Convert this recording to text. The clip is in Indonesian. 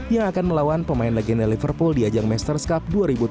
yang akan melawan pemain legenda liverpool di ajang masters cup dua ribu tujuh belas